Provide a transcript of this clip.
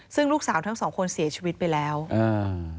ซึ่งลูกสาวทั้งสองคนเสียชีวิตไปแล้วอ่า